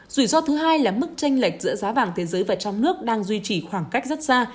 rủi ro thứ hai là mức tranh lệch giữa giá vàng thế giới và trong nước đang duy trì khoảng cách rất xa